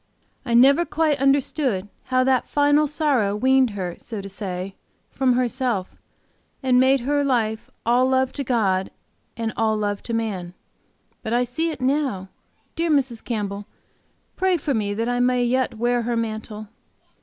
"I never quite understood how that final sorrow weaned her, so to say, from herself, and made her life all love to God and all love to man. But I see it now. Dear Mrs. Campbell, pray for me that I may yet wear her mantle!"